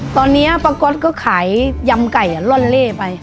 ตอนนี้ป้าก๊อตก็ขายยำไก่ล่อนเล่ไป